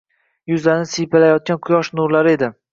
Yuzlarini siypalayotgan quyosh nurlari edi.